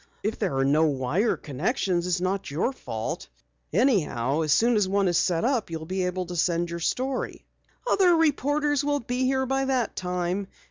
If there are no wire connections it's not your fault. Anyhow, as soon as one is set up you'll be able to send your story." "Other reporters will be here by that time.